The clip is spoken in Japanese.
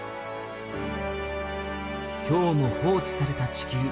今日も放置された地球。